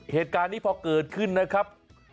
เหตุการณ์นี้พอเกิดขึ้นนะครับ